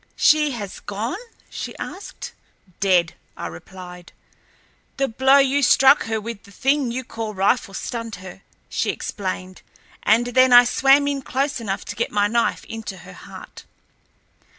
"She has gone?" she asked. "Dead," I replied. "The blow you struck her with the thing you call rifle stunned her," she explained, "and then I swam in close enough to get my knife into her heart."